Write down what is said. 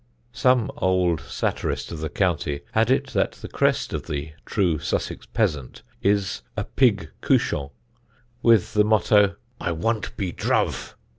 (Some old satirist of the county had it that the crest of the true Sussex peasant is a pig couchant, with the motto "I wunt be druv."